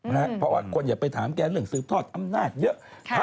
เพราะออกออกผู้อย่าไปถามใกล้เวลาการซื้อทอดอำนาจเยอะ